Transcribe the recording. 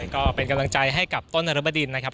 ก็เป็นกำลังใจให้กับต้นนรบดินนะครับ